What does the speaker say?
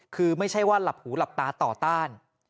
คือไม่ใช่ว่าหลับหูหลับตาต่อต้าน